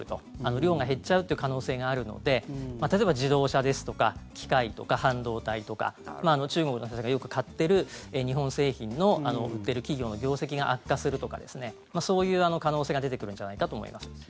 量が減っちゃうという可能性があるので例えば自動車ですとか機械とか半導体とか中国の人がよく買っている日本製品の企業の業績が悪化するとかそういう可能性が出てくるんじゃないかと思います。